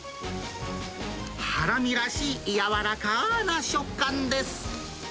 ハラミらしい柔らかな食感です。